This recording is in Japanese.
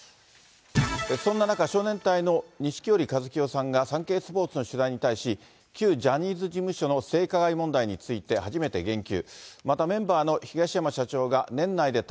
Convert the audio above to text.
そんな中、少年隊の錦織一清さんがサンケイスポーツの取材に対し、旧ジャニーズ事務所の性加害問題について初めて言及。